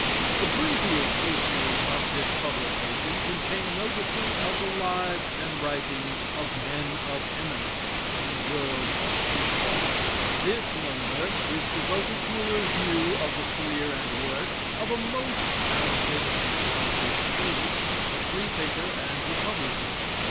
The previous issues of this publication contain notices of the lives and writings of men of eminence in the world of Freethought. This number is devoted to a review of the career and works of a most talented and accomplished lady a Freethinker and Republican.